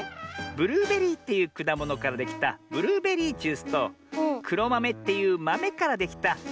ブルーベリーっていうくだものからできたブルーベリージュースとくろまめっていうまめからできたくろまめジュースだよ。